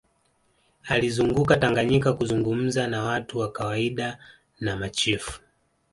alizunguka tanganyika kuzungumza na watu wa kawaida na machifu